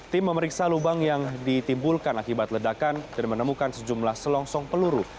tim memeriksa lubang yang ditimbulkan akibat ledakan dan menemukan sejumlah selongsong peluru